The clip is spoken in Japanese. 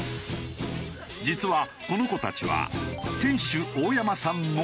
実はこの子たちは店主大山さんのひ孫。